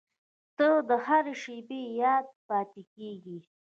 • ته د هر شېبې یاد پاتې کېږې.